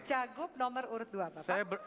cagup nomor urut dua bapak